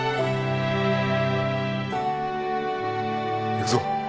行くぞ。